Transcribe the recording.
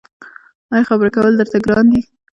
ایا خبرې کول درته ګران دي؟